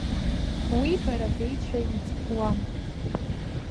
Уи бара беицәа илыӡбуам…